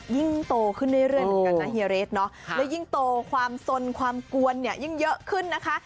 ยิ่งโตขึ้นเรื่อยเหมือนกันนะเฮียเรสเนาะและยิ่งโตความสนความกวนเนี่ยยิ่งเยอะขึ้นนะคะ